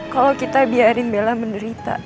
kalau kita biarin bella menderita